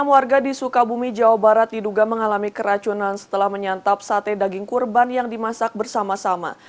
enam warga di sukabumi jawa barat diduga mengalami keracunan setelah menyantap sate daging kurban yang dimasak bersama sama